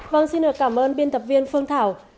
vâng xin được cảm ơn biên tập viên phương thảo